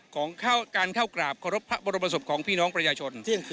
ของการเข้ากราบขอรบพระบรมศพของพี่น้องประชาชน